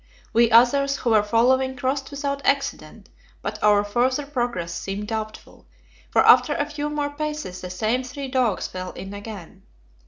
We others, who were following, crossed without accident, but our further progress seemed doubtful, for after a few more paces the same three dogs fell in again.